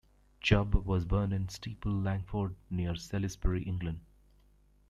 Chubb was born in Steeple Langford near Salisbury, England.